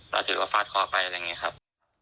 แล้วถือว่าฟาดคอไปอะไรอย่างนี้ครับ